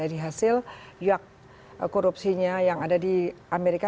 jadi hasil yuk korupsinya yang ada di amerika